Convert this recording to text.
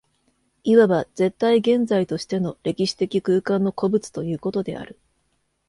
いわば絶対現在としての歴史的空間の個物ということである。